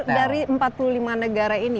dari empat puluh lima negara ini